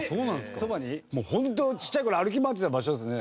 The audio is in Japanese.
もうホントちっちゃい頃歩き回ってた場所ですね。